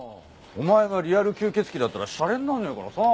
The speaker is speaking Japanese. お前がリアル吸血鬼だったらしゃれになんねえからさ。